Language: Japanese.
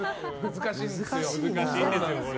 難しいんですよ、これ。